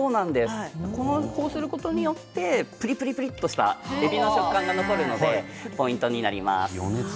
こうすることによってプリプリプリっとしたえびの食感が残るのがポイントになります。